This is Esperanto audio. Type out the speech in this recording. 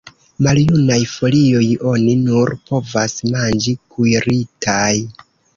Maljunaj folioj oni nur povas manĝi kuiritaj.